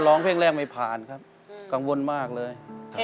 นักสู้ชีวิตแต่ละคนก็ฝ่าภันและสู้กับเพลงนี้มากก็หลายรอบ